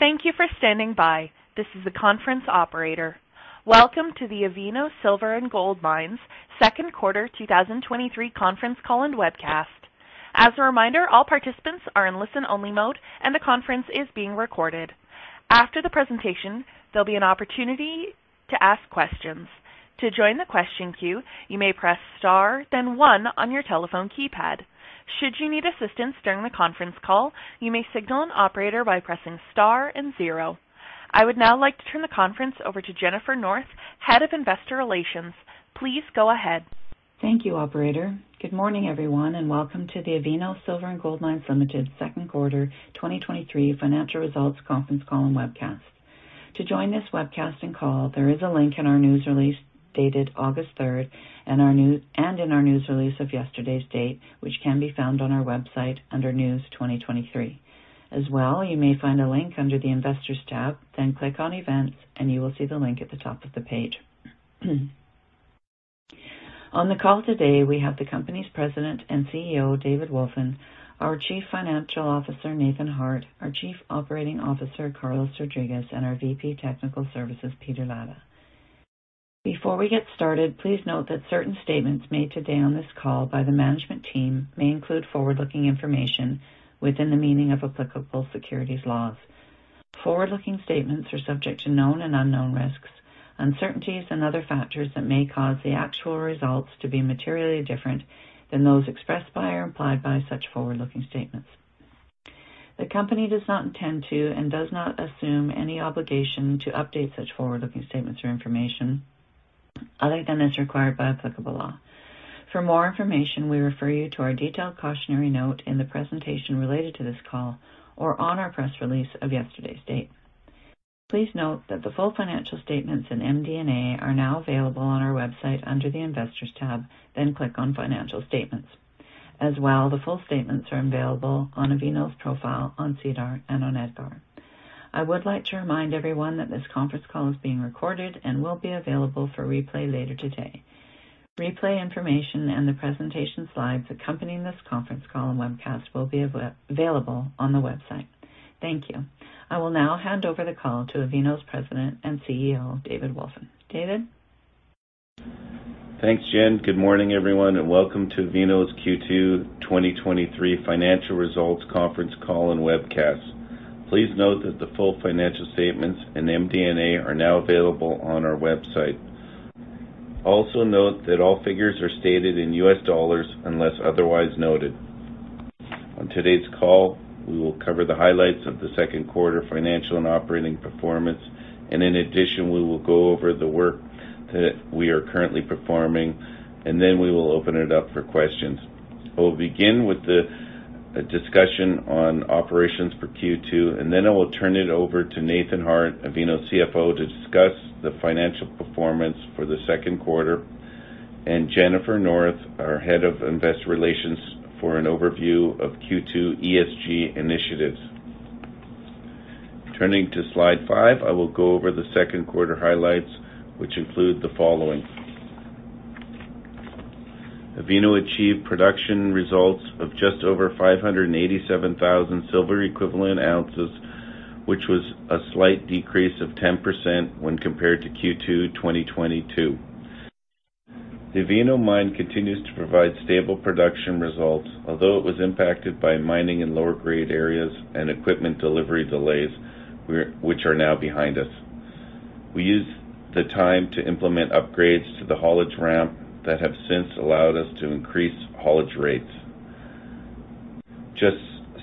Thank you for standing by. This is the conference operator. Welcome to the Avino Silver & Gold Mines second quarter 2023 conference call and webcast. As a reminder, all participants are in listen-only mode, and the conference is being recorded. After the presentation, there'll be an opportunity to ask questions. To join the question queue, you may press star, then one on your telephone keypad. Should you need assistance during the conference call, you may signal an operator by pressing star and 0. I would now like to turn the conference over to Jennifer North, Head of Investor Relations. Please go ahead. Thank you, operator. Good morning, everyone, and welcome to the Avino Silver & Gold Mines Ltd. second quarter 2023 financial results conference call and webcast. To join this webcast and call, there is a link in our news release dated August third, our news-- and in our news release of yesterday's date, which can be found on our website under News 2023. As well, you may find a link under the Investors tab, then click on Events, and you will see the link at the top of the page. On the call today, we have the company's President and CEO, David Wolfin, our Chief Financial Officer, Nathan Harte, our Chief Operating Officer, Carlos Rodriguez, and our VP Technical Services, Peter Latta. Before we get started, please note that certain statements made today on this call by the management team may include forward-looking information within the meaning of applicable securities laws. Forward-looking statements are subject to known and unknown risks, uncertainties, and other factors that may cause the actual results to be materially different than those expressed by or implied by such forward-looking statements. The company does not intend to and does not assume any obligation to update such forward-looking statements or information other than as required by applicable law. For more information, we refer you to our detailed cautionary note in the presentation related to this call or on our press release of yesterday's date. Please note that the full financial statements in MD&A are now available on our website under the Investors tab, then click on Financial Statements. As well, the full statements are available on Avino's profile, on SEDAR, and on EDGAR. I would like to remind everyone that this conference call is being recorded and will be available for replay later today. Replay information and the presentation slides accompanying this conference call and webcast will be available on the website. Thank you. I will now hand over the call to Avino's President and CEO, David Wolfin. David? Thanks, Jen. Good morning, everyone, and welcome to Avino Silver & Gold Mines' Q2 2023 financial results conference call and webcast. Please note that the full financial statements in MD&A are now available on our website. Note that all figures are stated in U.S. dollars unless otherwise noted. On today's call, we will cover the highlights of the second quarter financial and operating performance, and in addition, we will go over the work that we are currently performing, and then we will open it up for questions. I will begin with the discussion on operations for Q2, and then I will turn it over to Nathan Harte, Avino Silver & Gold Mines' CFO, to discuss the financial performance for the second quarter, and Jennifer North, our Head of Investor Relations, for an overview of Q2 ESG initiatives. Turning to slide five, I will go over the second quarter highlights, which include the following. Avino achieved production results of just over 587,000 silver equivalent ounces, which was a slight decrease of 10% when compared to Q2 2022. The Avino Mine continues to provide stable production results, although it was impacted by mining in lower-grade areas and equipment delivery delays, which are now behind us. We used the time to implement upgrades to the haulage ramp that have since allowed us to increase haulage rates. Just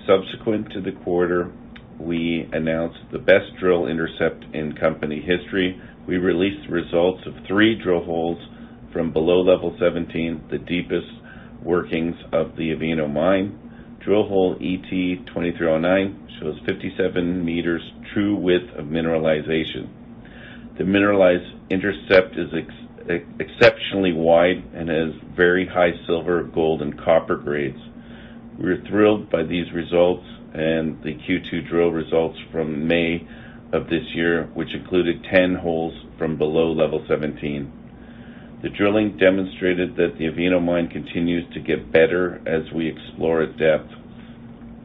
subsequent to the quarter, we announced the best drill intercept in company history. We released results of three drill holes from below Level 17, the deepest workings of the Avino Mine. Drill hole ET2309 shows 57 meters true width of mineralization. The mineralized intercept is exceptionally wide and has very high silver, gold, and copper grades. We're thrilled by these results and the Q2 drill results from May of this year, which included 10 holes from below Level 17. The drilling demonstrated that the Avino Mine continues to get better as we explore at depth.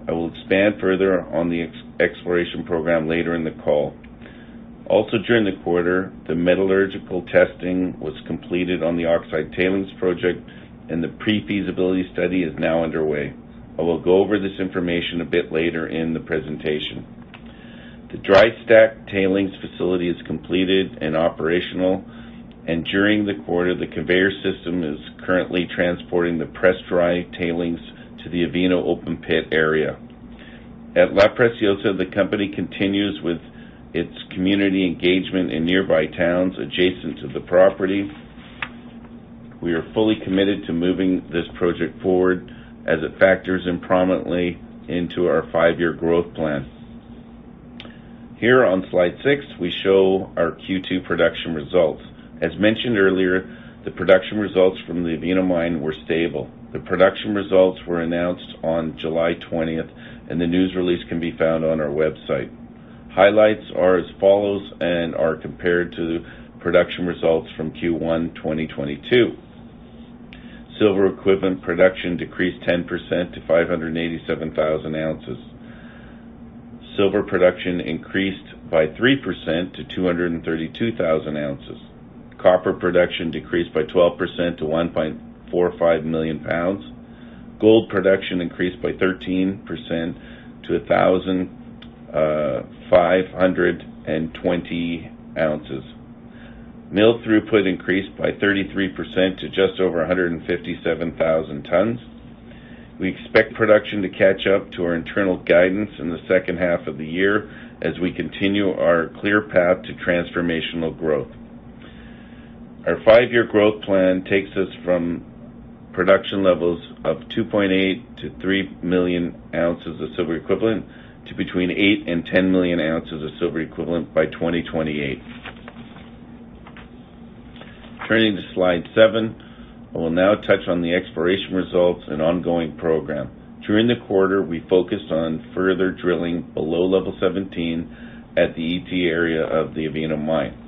I will expand further on the exploration program later in the call. Also, during the quarter, the metallurgical testing was completed on the Oxide Tailings Project, and the pre-feasibility study is now underway. I will go over this information a bit later in the presentation. The dry stack tailings facility is completed and operational, and during the quarter, the conveyor system is currently transporting the press dry tailings to the Avino open pit area. At La Preciosa, the company continues with its community engagement in nearby towns adjacent to the property. We are fully committed to moving this project forward as it factors prominently into our five-year growth plan. Here on slide six, we show our Q2 production results. As mentioned earlier, the production results from the Avino Mine were stable. The production results were announced on July 20th, and the news release can be found on our website. Highlights are as follows, and are compared to the production results from Q1 2022. Silver equivalent production decreased 10% to 587,000 ounces. Silver production increased by 3% to 232,000 ounces. Copper production decreased by 12% to 1.45 million pounds. Gold production increased by 13% to 1,520 ounces. Mill throughput increased by 33% to just over 157,000 tons. We expect production to catch up to our internal guidance in the second half of the year as we continue our clear path to transformational growth. Our five-year growth plan takes us from production levels of 2.8 million-3 million ounces of silver equivalent to between 8 million and 10 million ounces of silver equivalent by 2028. Turning to slide seven. I will now touch on the exploration results and ongoing program. During the quarter, we focused on further drilling below Level 17 at the ET area of the Avino Mine.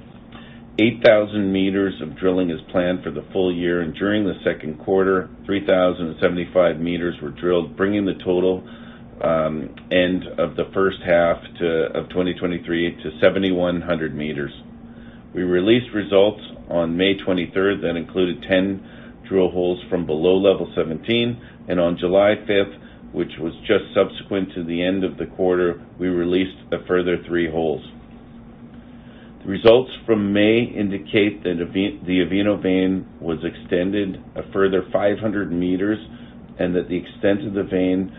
8,000 meters of drilling is planned for the full year, and during the second quarter, 3,075 meters were drilled, bringing the total end of the first half to, of 2023 to 7,100 meters. We released results on May 23rd that included 10 drill holes from below Level 17, and on July 5th, which was just subsequent to the end of the quarter, we released a further three holes. The results from May indicate that Avi-- the Avino vein was extended a further 500 meters, and that the extent of the vein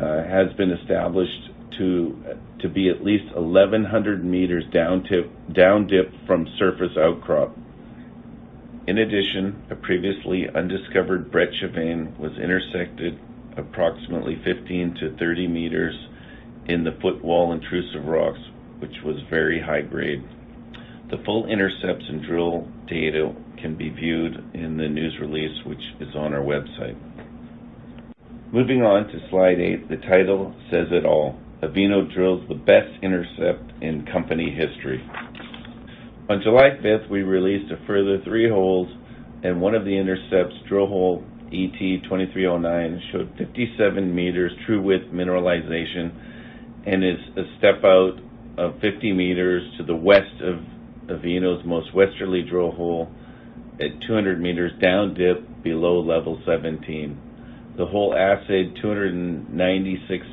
has been established to be at least 1,100 meters down to, down dip from surface outcrop. In addition, a previously undiscovered breccia vein was intersected approximately 15-30 meters in the footwall intrusive rocks, which was very high grade. The full intercepts and drill data can be viewed in the news release, which is on our website. Moving on to Slide eight. The title says it all. Avino drills the best intercept in company history. On July fifth, we released a further three holes, and one of the intercepts, drill hole ET2309, showed 57 meters true width mineralization and is a step out of 50 meters to the west of Avino's most westerly drill hole at 200 meters down dip below Level 17. The hole assayed 296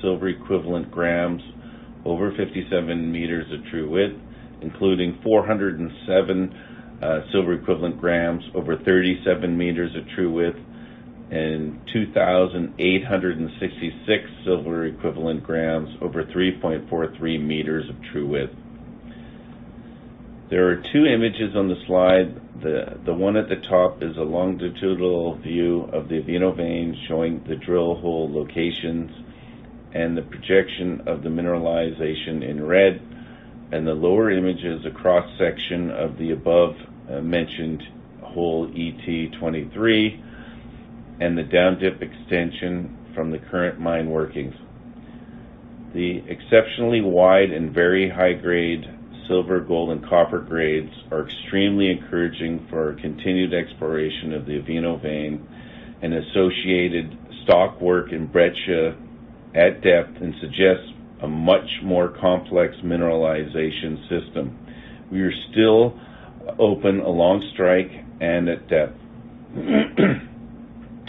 silver equivalent grams over 57 meters of true width, including 407 silver equivalent grams over 37 meters of true width and 2,866 silver equivalent grams over 3.43 meters of true width. There are two images on the slide. The one at the top is a longitudinal view of the Avino vein, showing the drill hole locations and the projection of the mineralization in red, and the lower image is a cross-section of the above mentioned hole ET23 and the down dip extension from the current mine workings. The exceptionally wide and very high-grade silver, gold, and copper grades are extremely encouraging for our continued exploration of the Avino vein and associated stockwork in breccia at depth and suggests a much more complex mineralization system. We are still open along strike and at depth.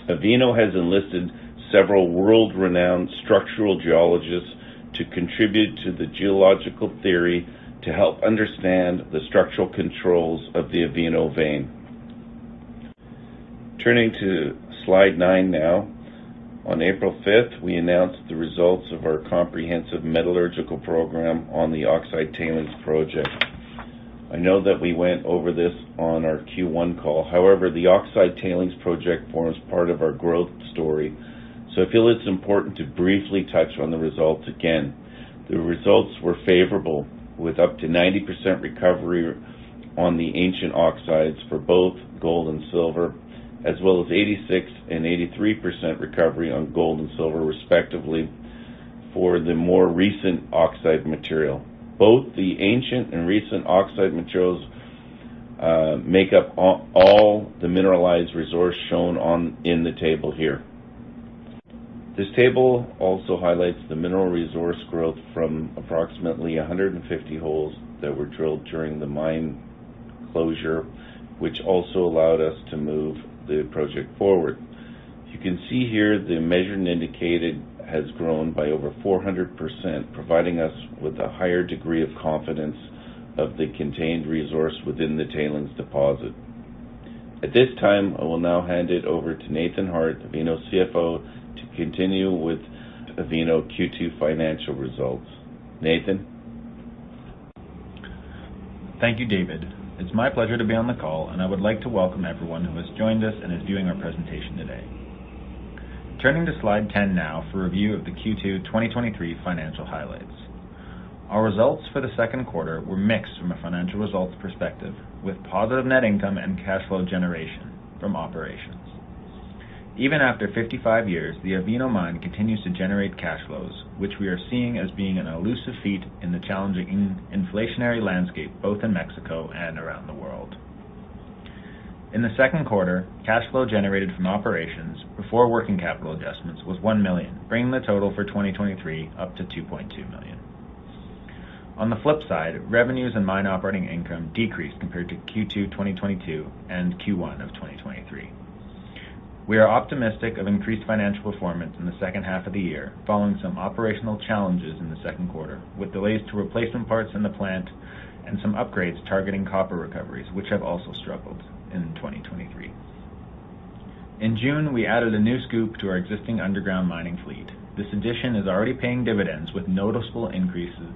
Avino has enlisted several world-renowned structural geologists to contribute to the geological theory to help understand the structural controls of the Avino vein. Turning to slide nine now. On April 5th, we announced the results of our comprehensive metallurgical program on the Oxide Tailings Project. I know that we went over this on our Q1 call. However, the Oxide Tailings Project forms part of our growth story, so I feel it's important to briefly touch on the results again. The results were favorable, with up to 90% recovery on the ancient oxides for both gold and silver, as well as 86% and 83% recovery on gold and silver, respectively, for the more recent oxide material. Both the ancient and recent oxide materials make up all the mineralized resource shown in the table here. This table also highlights the mineral resource growth from approximately 150 holes that were drilled during the mine closure, which also allowed us to move the project forward. You can see here the measured and indicated has grown by over 400%, providing us with a higher degree of confidence of the contained resource within the tailings deposit. At this time, I will now hand it over to Nathan Harte, Avino CFO, to continue with Avino Q2 financial results. Nathan? Thank you, David. It's my pleasure to be on the call. I would like to welcome everyone who has joined us and is viewing our presentation today. Turning to slide 10 now for a review of the Q2 2023 financial highlights. Our results for the second quarter were mixed from a financial results perspective, with positive net income and cash flow generated from operations. Even after 55 years, the Avino Mine continues to generate cash flows, which we are seeing as being an elusive feat in the challenging inflationary landscape, both in Mexico and around the world. In the second quarter, cash flow generated from operations before working capital adjustments was $1 million, bringing the total for 2023 up to $2.2 million. On the flip side, revenues and mine operating income decreased compared to Q2 2022 and Q1 of 2023. We are optimistic of increased financial performance in the second half of the year, following some operational challenges in the 2Q, with delays to replacement parts in the plant and some upgrades targeting copper recoveries, which have also struggled in 2023. In June, we added a new scoop to our existing underground mining fleet. This addition is already paying dividends, with noticeable increases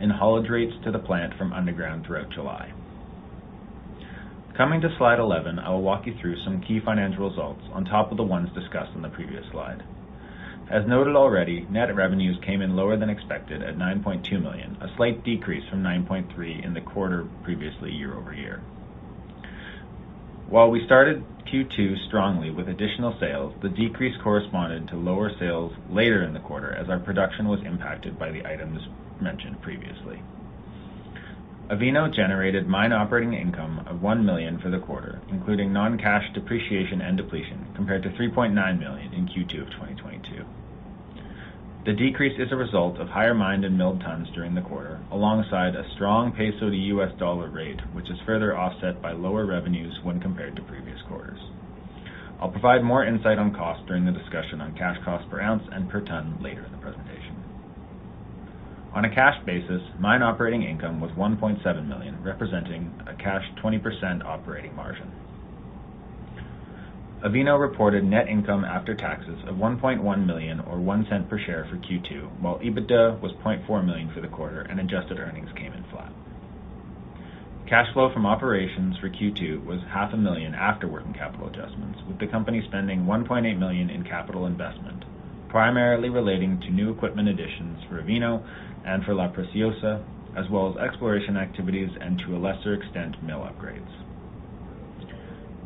in haulage rates to the plant from underground throughout July. Coming to slide 11, I will walk you through some key financial results on top of the ones discussed on the previous slide. As noted already, net revenues came in lower than expected at $9.2 million, a slight decrease from $9.3 million in the quarter previously year-over-year. While we started Q2 strongly with additional sales, the decrease corresponded to lower sales later in the quarter as our production was impacted by the items mentioned previously. Avino generated mine operating income of $1 million for the quarter, including non-cash depreciation and depletion, compared to $3.9 million in Q2 of 2022. The decrease is a result of higher mined and milled tons during the quarter, alongside a strong peso to U.S. dollar rate, which is further offset by lower revenues when compared to previous quarters. I'll provide more insight on cost during the discussion on cash cost per ounce and per ton later in the presentation. On a cash basis, mine operating income was $1.7 million, representing a cash 20% operating margin. Avino reported net income after taxes of $1.1 million, or $0.01 per share for Q2, while EBITDA was $0.4 million for the quarter and adjusted earnings came in flat. Cash flow from operations for Q2 was $500,000 after working capital adjustments, with the company spending $1.8 million in capital investment, primarily relating to new equipment additions for Avino and for La Preciosa, as well as exploration activities and to a lesser extent, mill upgrades.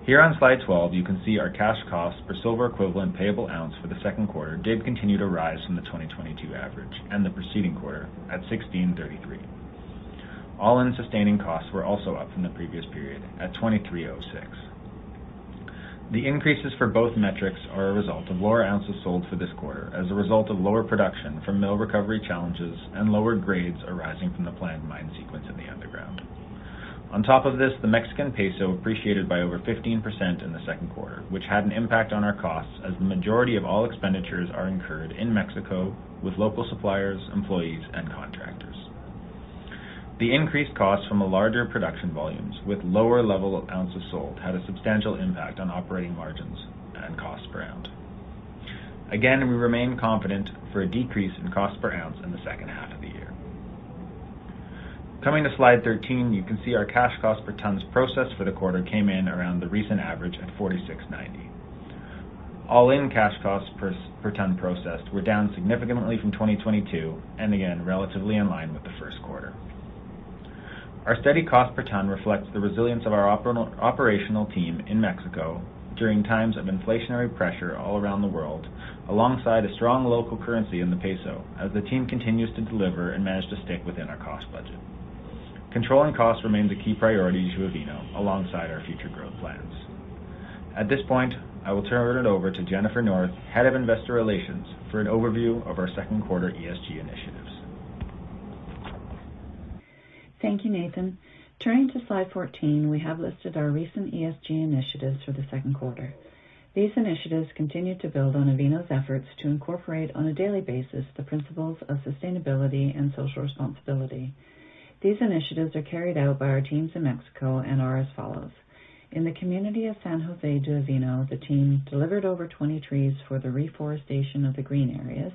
Here on slide 12, you can see our cash costs for silver equivalent payable ounce for the second quarter did continue to rise from the 2022 average and the preceding quarter at $16.33. All-in sustaining costs were also up from the previous period at $23.06. The increases for both metrics are a result of lower ounces sold for this quarter as a result of lower production from mill recovery challenges and lower grades arising from the planned mine sequence in the underground. Top of this, the Mexican peso appreciated by over 15% in the second quarter, which had an impact on our costs as the majority of all expenditures are incurred in Mexico with local suppliers, employees, and contractors. The increased costs from the larger production volumes with lower level of ounces sold, had a substantial impact on operating margins and cost per ounce. We remain confident for a decrease in cost per ounce in the second half of the year. Coming to slide 13, you can see our cash cost per tonne processed for the quarter came in around the recent average at $46.90. All-in cash costs per, per ton processed were down significantly from 2022 and again, relatively in line with the first quarter. Our steady cost per ton reflects the resilience of our operational team in Mexico during times of inflationary pressure all around the world, alongside a strong local currency in the peso, as the team continues to deliver and manage to stick within our cost budget. Controlling costs remains a key priority to Avino, alongside our future growth plans. At this point, I will turn it over to Jennifer North, Head of Investor Relations, for an overview of our second quarter ESG initiatives. Thank you, Nathan. Turning to slide 14, we have listed our recent ESG initiatives for the second quarter. These initiatives continue to build on Avino's efforts to incorporate on a daily basis, the principles of sustainability and social responsibility. These initiatives are carried out by our teams in Mexico and are as follows: In the community of San José de Avino, the team delivered over 20 trees for the reforestation of the green areas,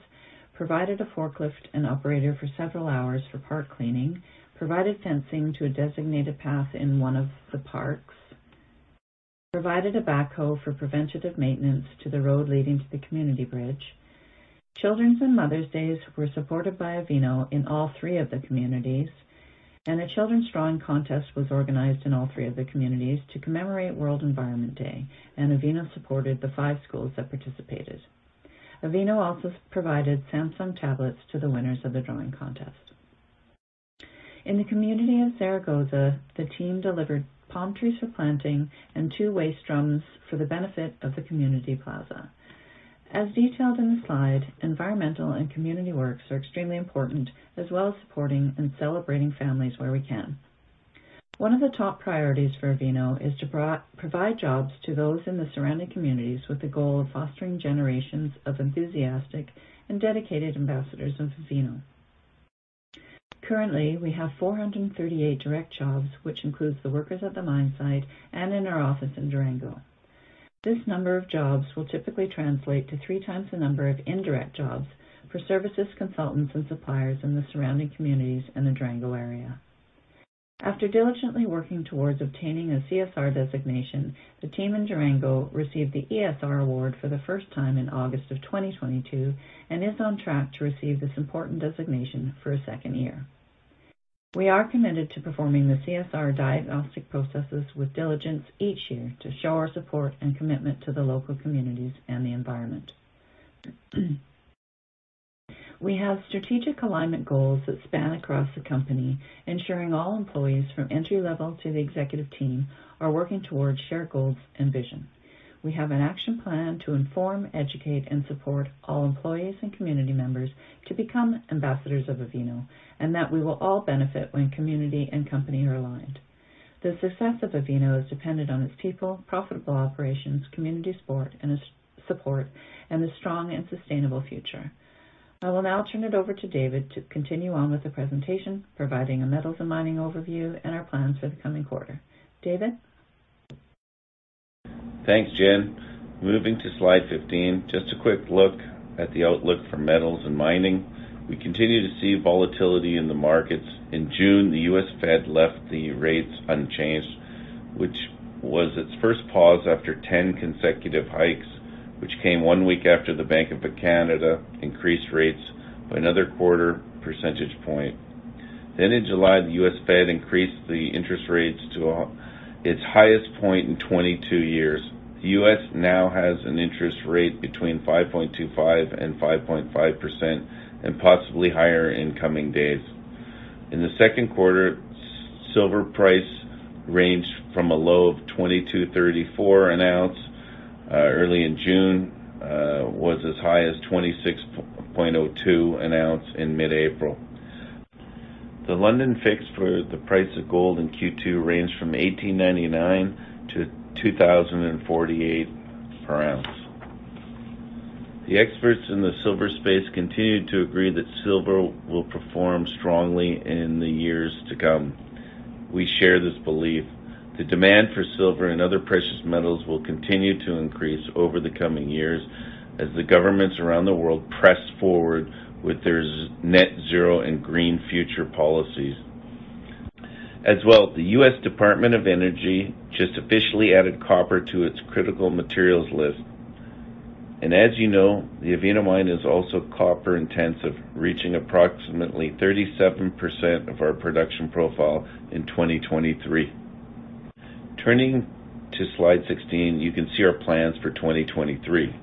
provided a forklift and operator for several hours for park cleaning, provided fencing to a designated path in one of the parks, provided a backhoe for preventative maintenance to the road leading to the community bridge. Children's and Mother's Days were supported by Avino in all three of the communities, and a children's drawing contest was organized in all three of the communities to commemorate World Environment Day, and Avino supported the five schools that participated. Avino also provided Samsung tablets to the winners of the drawing contest. In the community of Zaragoza, the team delivered palm trees for planting and two waste drums for the benefit of the community plaza. As detailed in the slide, environmental and community works are extremely important, as well as supporting and celebrating families where we can. One of the top priorities for Avino is to provide jobs to those in the surrounding communities, with the goal of fostering generations of enthusiastic and dedicated ambassadors of Avino. Currently, we have 438 direct jobs, which includes the workers at the mine site and in our office in Durango. This number of jobs will typically translate to 3x the number of indirect jobs for services, consultants, and suppliers in the surrounding communities in the Durango area. After diligently working towards obtaining a CSR designation, the team in Durango received the ESR award for the first time in August of 2022, and is on track to receive this important designation for a second year. We are committed to performing the CSR diagnostic processes with diligence each year to show our support and commitment to the local communities and the environment. We have strategic alignment goals that span across the company, ensuring all employees, from entry level to the executive team, are working towards shared goals and visions. We have an action plan to inform, educate, and support all employees and community members to become ambassadors of Avino, and that we will all benefit when community and company are aligned. The success of Avino is dependent on its people, profitable operations, community support, and a strong and sustainable future. I will now turn it over to David to continue on with the presentation, providing a metals and mining overview and our plans for the coming quarter. David? Thanks, Jen. Moving to slide 15, just a quick look at the outlook for metals and mining. We continue to see volatility in the markets. In June, the U.S. Fed left the rates unchanged, which was its first pause after 10 consecutive hikes, which came one week after the Bank of Canada increased rates by another quarter percentage point. In July, the U.S. Fed increased the interest rates to its highest point in 22 years. The U.S. now has an interest rate between 5.25% and 5.5%, and possibly higher in coming days. In the second quarter, silver price ranged from a low of $22.34 an ounce early in June, was as high as $26.02 an ounce in mid-April. The London fix for the price of gold in Q2 ranged from $1,899-$2,048 per ounce. The experts in the silver space continue to agree that silver will perform strongly in the years to come. We share this belief. The demand for silver and other precious metals will continue to increase over the coming years as the governments around the world press forward with their net zero and green future policies. As well, the U.S. Department of Energy just officially added copper to its Critical Materials List. As you know, the Avino Mine is also copper-intensive, reaching approximately 37% of our production profile in 2023. Turning to slide 16, you can see our plans for 2023.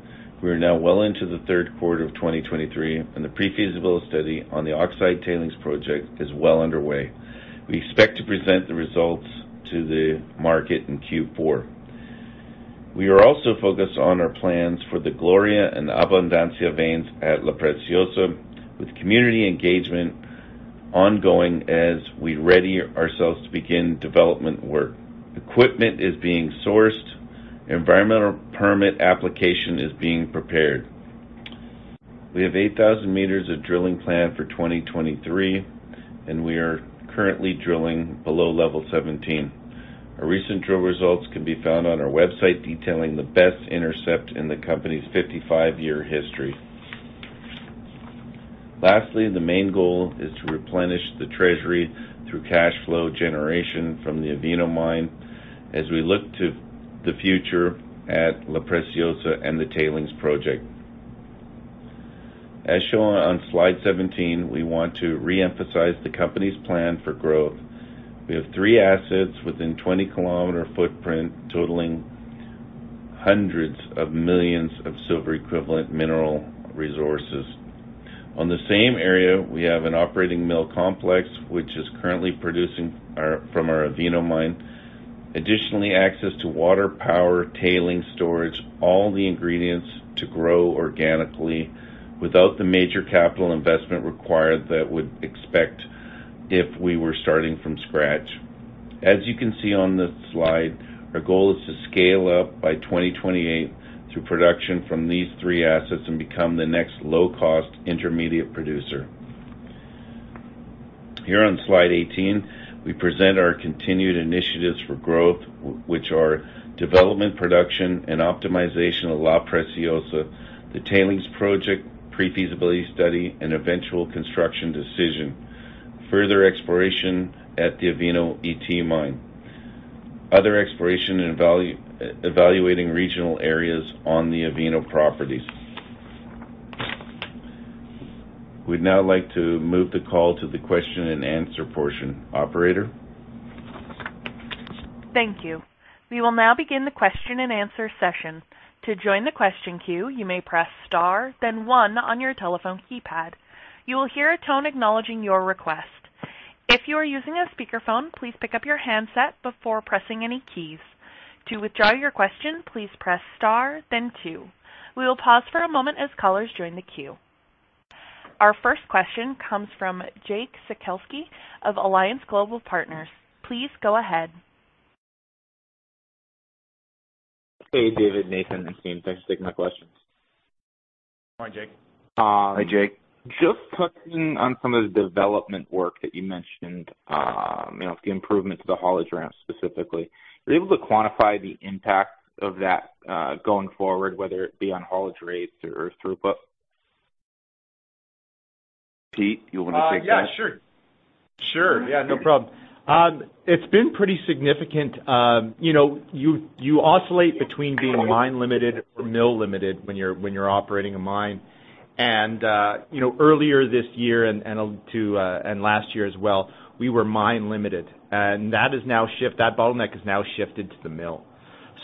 We are now well into the third quarter of 2023, and the pre-feasibility study on the Oxide Tailings Project is well underway. We expect to present the results to the market in Q4. We are also focused on our plans for the Gloria and Abundancia veins at La Preciosa, with community engagement ongoing as we ready ourselves to begin development work. Equipment is being sourced, environmental permit application is being prepared. We have 8,000 meters of drilling planned for 2023, and we are currently drilling below Level 17. Our recent drill results can be found on our website, detailing the best intercept in the company's 55-year history. Lastly, the main goal is to replenish the treasury through cash flow generation from the Avino Mine as we look to the future at La Preciosa and the tailings project. As shown on slide 17, we want to reemphasize the company's plan for growth. We have three assets within 20-kilometer footprint, totaling hundreds of millions of silver equivalent mineral resources. On the same area, we have an operating mill complex, which is currently producing our-- from our Avino Mine. Additionally, access to water, power, tailing, storage, all the ingredients to grow organically without the major capital investment required that we'd expect if we were starting from scratch. As you can see on the slide, our goal is to scale up by 2028 through production from these three assets and become the next low-cost intermediate producer. Here on slide 18, we present our continued initiatives for growth, which are development, production, and optimization of La Preciosa, the Tailings Project, pre-feasibility study, and eventual construction decision. Further exploration at the Avino ET Mine. Other exploration and evaluating regional areas on the Avino properties. We'd now like to move the call to the question and answer portion. Operator? Thank you. We will now begin the question-and-answer session. To join the question queue, you may press star, then one on your telephone keypad. You will hear a tone acknowledging your request. If you are using a speakerphone, please pick up your handset before pressing any keys. To withdraw your question, please press star, then two. We will pause for a moment as callers join the queue. Our first question comes from Jake Sekelsky of Alliance Global Partners. Please go ahead. Hey, David, Nathan and team. Thanks for taking my questions. Good morning, Jake. Hi, Jake. Just touching on some of the development work that you mentioned, you know, the improvements to the haulage ramp specifically, are you able to quantify the impact of that, going forward, whether it be on haulage rates or throughput? Pete, you want to take that? Yeah, sure. Sure. Yeah, no problem.... it's been pretty significant. You know, you, you oscillate between being mine limited or mill limited when you're, when you're operating a mine. You know, earlier this year and, and unto, and last year as well, we were mine limited. That bottleneck has now shifted to the mill.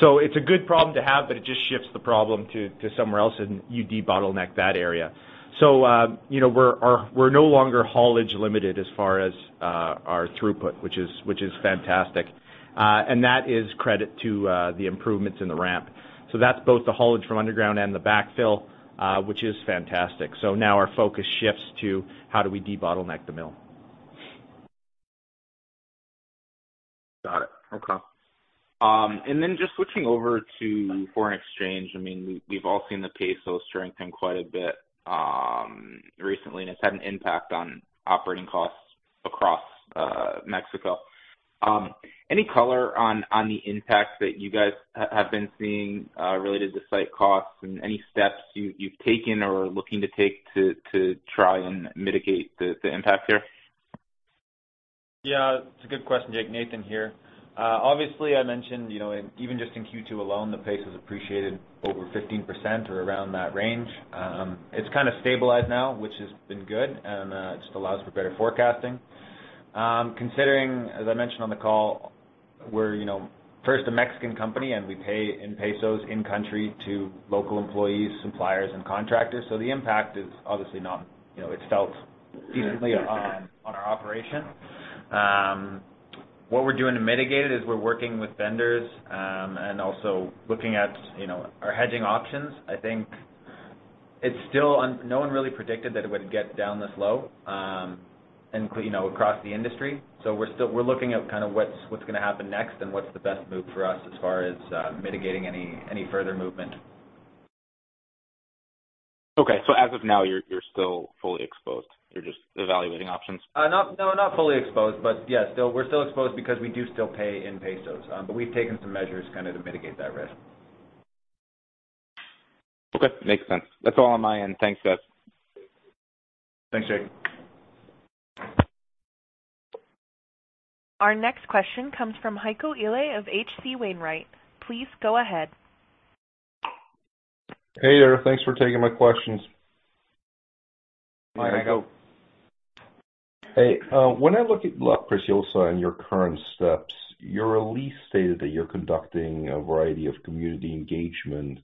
It's a good problem to have, but it just shifts the problem to, to somewhere else, and you debottleneck that area. You know, we're no longer haulage limited as far as our throughput, which is fantastic. That is credit to the improvements in the ramp. That's both the haulage from underground and the backfill, which is fantastic. Now our focus shifts to how do we debottleneck the mill? Got it. Okay. Then just switching over to foreign exchange. I mean, we've, we've all seen the peso strengthen quite a bit, recently, and it's had an impact on operating costs across Mexico. Any color on, on the impacts that you guys have been seeing, related to site costs and any steps you've, you've taken or are looking to take to, to try and mitigate the, the impact here? Yeah, it's a good question, Jake. Nathan here. Obviously, I mentioned, you know, and even just in Q2 alone, the pace has appreciated over 15% or around that range. It's kind of stabilized now, which has been good, and it just allows for better forecasting. Considering, as I mentioned on the call, we're, you know, first a Mexican company, and we pay in pesos in country to local employees, suppliers, and contractors, so the impact is obviously not, you know, it's felt decently on, on our operation. What we're doing to mitigate it is we're working with vendors, and also looking at, you know, our hedging options. I think it's still No one really predicted that it would get down this low, and you know, across the industry. We're still, we're looking at kind of what's, what's gonna happen next and what's the best move for us as far as mitigating any, any further movement. Okay. As of now, you're, you're still fully exposed. You're just evaluating options? Not... No, not fully exposed, but yeah, still, we're still exposed because we do still pay in pesos. We've taken some measures kind of to mitigate that risk. Okay, makes sense. That's all on my end. Thanks, guys. Thanks, Jake. Our next question comes from Heiko Ihle of H.C. Wainwright. Please go ahead. Hey there. Thanks for taking my questions. Hi, Heiko. Hey, when I look at La Preciosa and your current steps, your release stated that you're conducting a variety of community engagement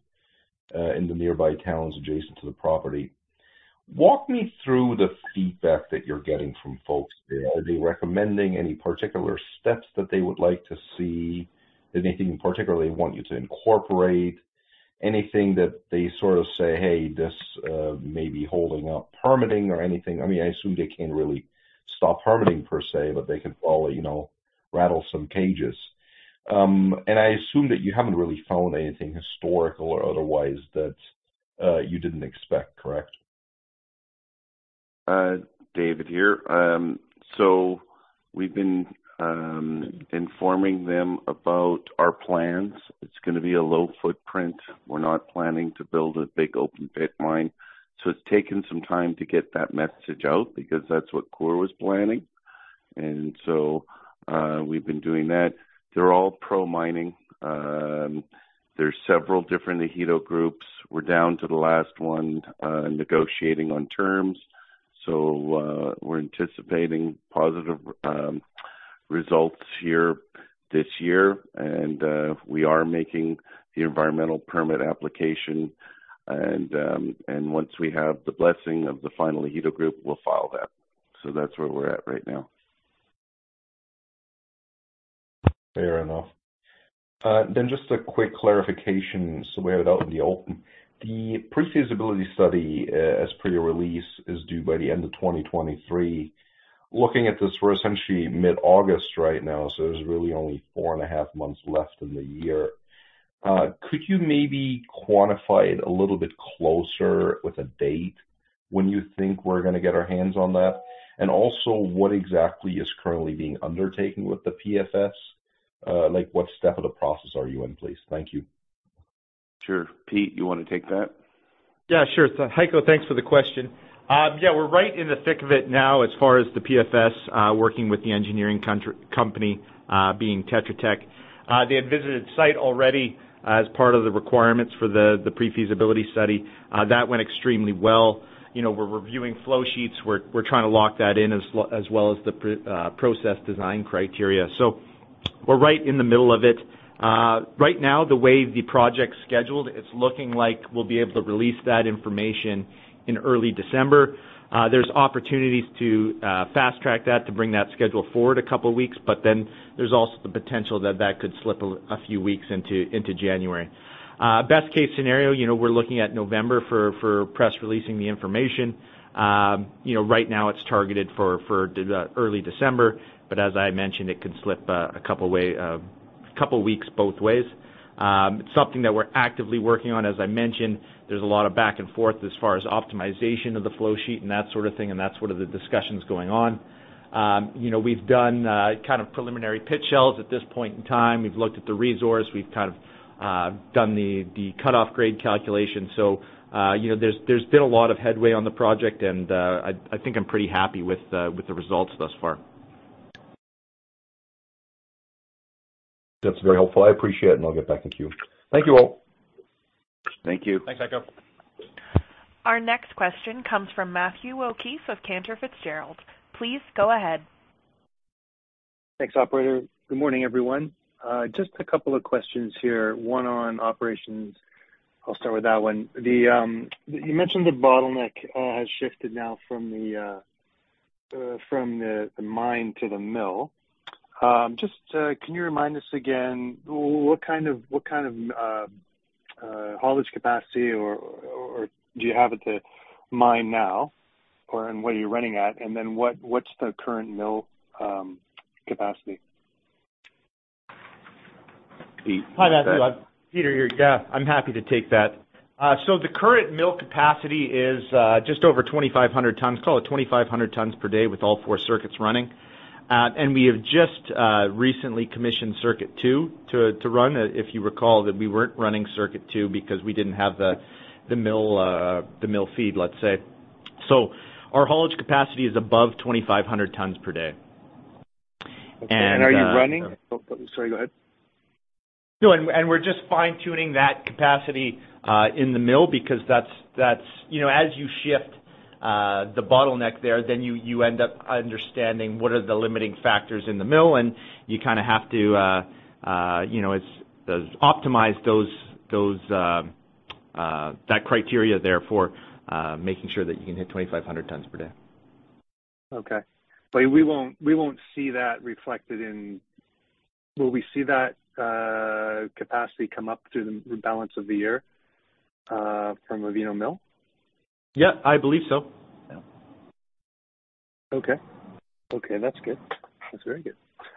in the nearby towns adjacent to the property. Walk me through the feedback that you're getting from folks there. Are they recommending any particular steps that they would like to see? Anything in particular they want you to incorporate? Anything that they sort of say, "Hey, this may be holding up permitting or anything?" I mean, I assume they can't really stop permitting per se, but they could probably, you know, rattle some cages. I assume that you haven't really found anything historical or otherwise that you didn't expect, correct? David here. We've been informing them about our plans. It's gonna be a low footprint. We're not planning to build a big open pit mine, so it's taken some time to get that message out because that's what Coeur was planning. We've been doing that. They're all pro-mining. There's several different Ejido groups. We're down to the last one, negotiating on terms. We're anticipating positive results here this year, and we are making the environmental permit application and once we have the blessing of the final Ejido group, we'll file that. That's where we're at right now. Fair enough. Just a quick clarification, so we have it out in the open. The pre-feasibility study, as per your release, is due by the end of 2023. Looking at this, we're essentially mid-August right now, so there's really only four and a half months left in the year. Could you maybe quantify it a little bit closer with a date when you think we're gonna get our hands on that? Also, what exactly is currently being undertaken with the PFS? What step of the process are you in, please? Thank you. Sure. Pete, you want to take that? Yeah, sure. Heiko, thanks for the question. Yeah, we're right in the thick of it now as far as the PFS, working with the engineering company, being Tetra Tech. They had visited site already as part of the requirements for the pre-feasibility study. That went extremely well. You know, we're reviewing flow sheets. We're, we're trying to lock that in, as well as the process design criteria. We're right in the middle of it. Right now, the way the project's scheduled, it's looking like we'll be able to release that information in early December. There's opportunities to fast-track that, to bring that schedule forward a couple of weeks, but then there's also the potential that that could slip a few weeks into January. Best case scenario, you know, we're looking at November for, for press releasing the information. You know, right now it's targeted for early December, but as I mentioned, it could slip a couple way, couple weeks both ways. It's something that we're actively working on. As I mentioned, there's a lot of back and forth as far as optimization of the flow sheet and that sort of thing, and that's one of the discussions going on. You know, we've done kind of preliminary pit shells at this point in time. We've looked at the resource. We've kind of done the, the cut off grade calculation. You know, there's been a lot of headway on the project, and I think I'm pretty happy with the, with the results thus far. That's very helpful. I appreciate it, and I'll get back to you. Thank you all. Thank you. Thanks, Heiko. Our next question comes from Matthew O'Keefe of Cantor Fitzgerald. Please go ahead. Thanks, operator. Good morning, everyone. Just two questions here. One on operations. I'll start with that one. You mentioned the bottleneck has shifted now from the mine to the mill. Just, can you remind us again what kind of, what kind of haulage capacity or, or do you have at the mine now, or, and what are you running at? Then what, what's the current mill capacity? Hi, Matthew. Peter here. Yeah, I'm happy to take that. The current mill capacity is just over 2,500 tons. Call it 2,500 tons per day with all four circuits running. We have just recently commissioned circuit two to run. If you recall that we weren't running circuit two because we didn't have the, the mill, the mill feed, let's say. Our haulage capacity is above 2,500 tons per day. Are you running? Oh, sorry, go ahead. We're just fine-tuning that capacity in the mill because that's, that's, you know, as you shift the bottleneck there, then you, you end up understanding what are the limiting factors in the mill, and you kind of have to, you know, optimize those, those, that criteria there for making sure that you can hit 2,500 tons per day. Okay. We won't, we won't see that reflected in. Will we see that capacity come up through the balance of the year from Avino mill? Yeah, I believe so. Okay. Okay, that's good. That's very good.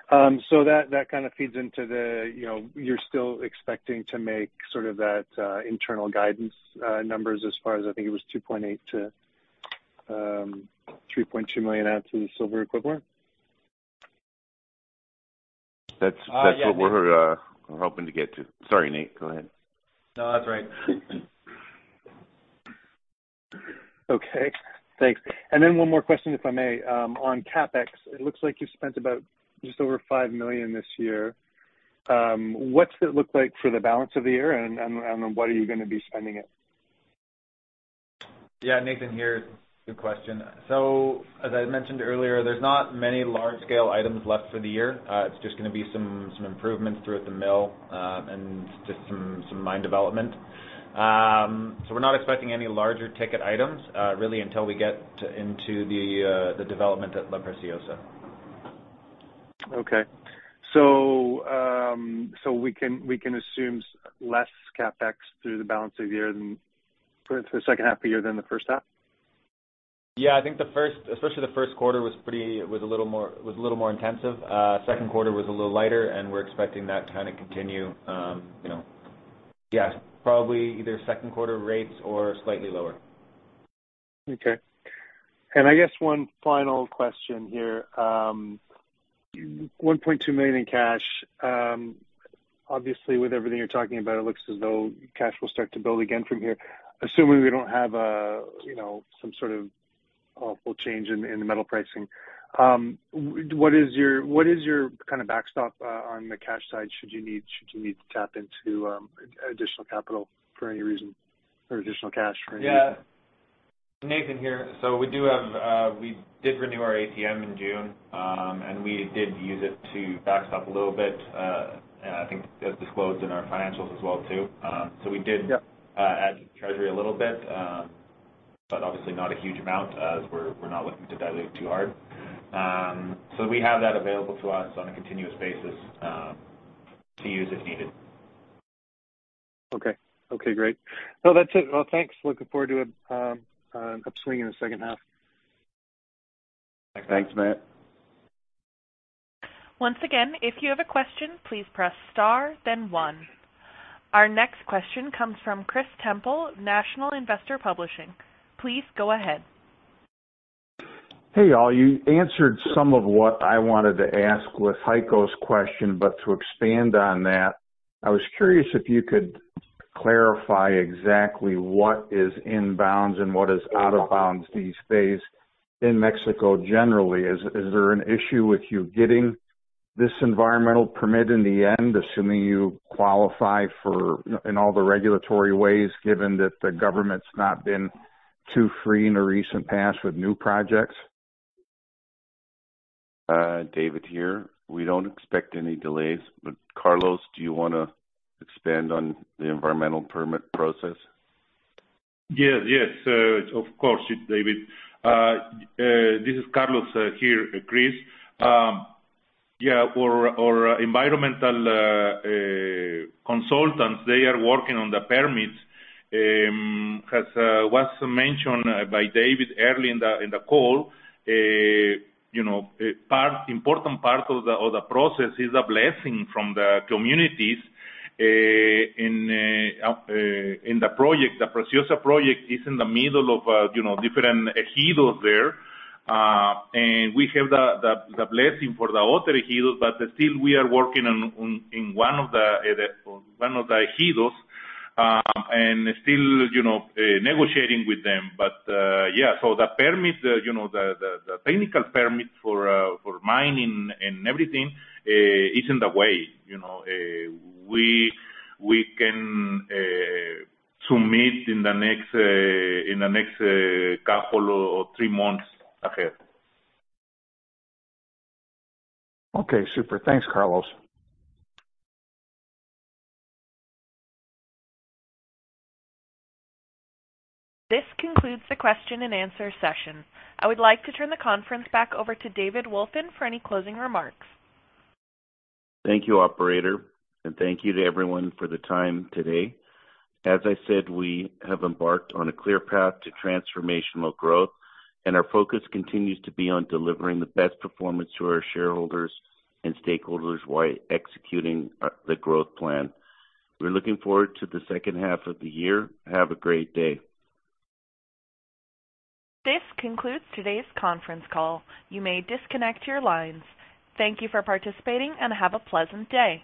That, that kind of feeds into the, you know, you're still expecting to make sort of that internal guidance numbers as far as I think it was 2.8 million-3.2 million ounces of silver equivalent? That's what we're hoping to get to. Sorry, Nate, go ahead. No, that's all right. Okay. Thanks. Then one more question, if I may. On CapEx, it looks like you've spent about just over $5 million this year. What's it look like for the balance of the year, and what are you going to be spending it? Yeah, Nathan here. Good question. As I mentioned earlier, there's not many large-scale items left for the year. It's just gonna be some, some improvements throughout the mill, and just some, some mine development. We're not expecting any larger ticket items, really, until we get into the development at La Preciosa. Okay. so we can, we can assume less CapEx through the balance of the year than for the second half of the year than the first half? Yeah, I think the first, especially the first quarter was pretty, was a little more, was a little more intensive. Second quarter was a little lighter, and we're expecting that to kind of continue. You know, yeah, probably either second quarter rates or slightly lower. Okay. I guess one final question here. $1.2 million in cash. Obviously, with everything you're talking about, it looks as though cash will start to build again from here. Assuming we don't have a, you know, some sort of awful change in, in the metal pricing, what is your, what is your kind of backstop, on the cash side, should you need, should you need to tap into, additional capital for any reason, or additional cash for any reason? Yeah. Nathan here. We do have, we did renew our ATM in June, and we did use it to backstop a little bit, and I think as disclosed in our financials as well, too. Yep. Add to treasury a little bit, obviously not a huge amount as we're, we're not looking to dilute too hard. We have that available to us on a continuous basis, to use if needed. Okay. Okay, great. That's it. Well, thanks. Looking forward to an upswing in the second half. Thanks. Thanks, Matt. Once again, if you have a question, please press star, then one. Our next question comes from Chris Temple, The National Investor. Please go ahead. Hey, all. You answered some of what I wanted to ask with Heiko's question, but to expand on that, I was curious if you could clarify exactly what is in bounds and what is out of bounds these days in Mexico generally. Is there an issue with you getting this environmental permit in the end, assuming you qualify for, in all the regulatory ways, given that the government's not been too free in the recent past with new projects? David here. We don't expect any delays, but, Carlos, do you wanna expand on the environmental permit process? Yes, yes, of course, David. This is Carlos here, Chris. Yeah, our, our environmental consultants, they are working on the permits. As was mentioned by David early in the call, you know, part, important part of the process is a blessing from the communities in the project. The La Preciosa project is in the middle of, you know, different ejidos there, and we have the, the, the blessing for the other ejidos, but still we are working on, on, in one of the, the, one of the ejidos, and still, you know, negotiating with them. Yeah, so the permits, you know, the, the, the technical permit for for mining and everything is in the way, you know. We, we can submit in the next, in the next couple or three months ahead. Okay, super. Thanks, Carlos. This concludes the question and answer session. I would like to turn the conference back over to David Wolfin for any closing remarks. Thank you, operator, and thank you to everyone for the time today. As I said, we have embarked on a clear path to transformational growth, and our focus continues to be on delivering the best performance to our shareholders and stakeholders while executing the growth plan. We're looking forward to the second half of the year. Have a great day. This concludes today's conference call. You may disconnect your lines. Thank you for participating and have a pleasant day.